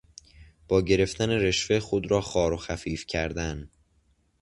با گرفتن رشوه خود را خوار و خفیف کردن